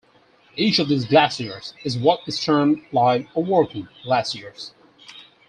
Each of these glaciers is what is termed 'live' or 'working' glaciers.